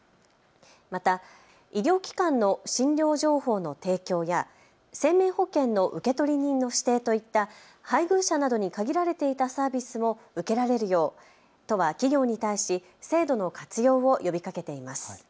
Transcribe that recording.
また医療機関の診療情報の提供や生命保険の受取人の指定といった配偶者などに限られていたサービスも受けられるよう都は企業に対し制度の活用を呼びかけています。